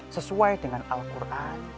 sesuai dengan al quran